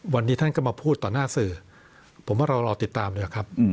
วันนี้ท่านก็มาพูดต่อหน้าสื่อผมว่าเรารอติดตามเลยครับ